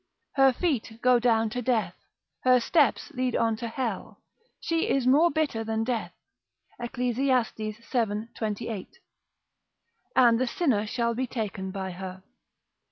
Her feet go down to death, her steps lead on to hell. She is more bitter than death, (Eccles. vii. 28.) and the sinner shall be taken by her.